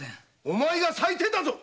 お前が最低だぞ！